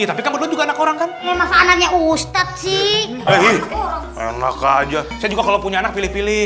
anak anaknya ustadz sih enak aja kalau punya anak pilih pilih